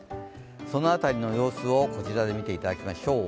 その辺りの様子をこちらで見ていただきましょう。